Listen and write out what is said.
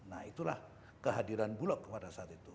nah itulah kehadiran bulog pada saat itu